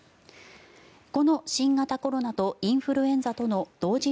この新型コロナとインフルエンザとの同時